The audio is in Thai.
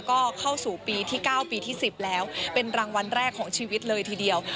ก็เข้าสู่ปีที่๙ปีที่๑๐แล้วเป็นรางวัลแรกของชีวิตเลยทีเดียว